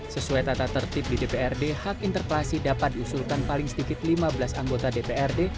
sesuai tata tertib di dprd hak interpelasi dapat diusulkan paling sedikit lima belas anggota dprd